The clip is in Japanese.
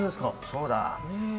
そうだ。